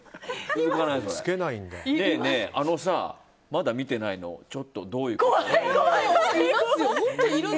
ねえ、あのさ、まだ見てないのちょっとどういうこと？みたいな。